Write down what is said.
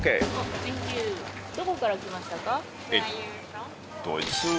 どこから来ましたか？